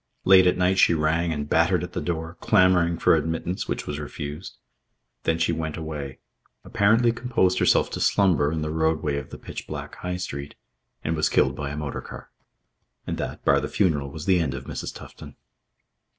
Late at night she rang and battered at the door, clamouring for admittance, which was refused. Then she went away, apparently composed herself to slumber in the roadway of the pitch black High Street, and was killed by a motor car. And that, bar the funeral, was the end of Mrs. Tufton.